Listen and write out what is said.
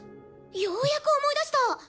ようやく思い出した！